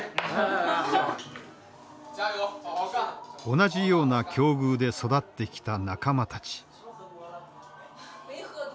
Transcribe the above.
同じような境遇で育ってきた仲間たち。